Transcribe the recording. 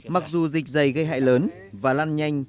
mặc dù dịch dày gây hại lớn và lan nhanh